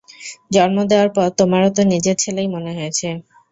জন্ম দেওয়ার পর তোমারও তো নিজের ছেলেই মনে হয়েছে।